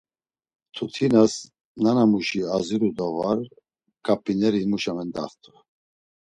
Mtutinas, nanamuşi aziru do var ǩap̌ineri himuşa mendaxt̆u.